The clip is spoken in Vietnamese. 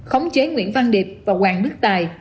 khống chế nguyễn văn điệp và hoàng đức tài